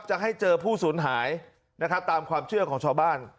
จะให้เจอผู้สูญหายนะครับตามความเชื่อของชาวบ้าน